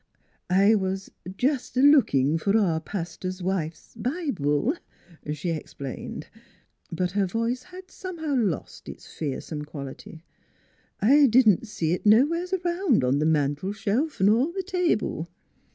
" I was jest a lookin' fer our paster's wife's Bi ble," she explained. But her voice had some how lost its fearsome quality. " I didn't see it nowheres around on th' mantle shelf ner th' table."